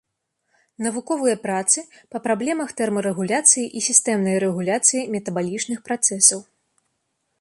Навуковыя працы па праблемах тэрмарэгуляцыі і сістэмнай рэгуляцыі метабалічных працэсаў.